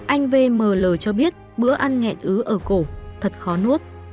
anh vml cho biết bữa ăn nhẹ ứ ở cổ thật khó nuốt